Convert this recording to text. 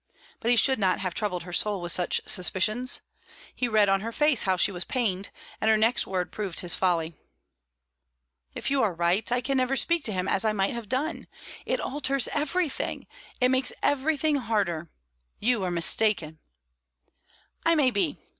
But he should not have troubled her soul with such suspicions. He read on her face how she was pained, and her next word proved his folly. "If you are right, I can never speak to him as I might have done. It alters everything; it makes everything harder. You are mistaken." "I may be.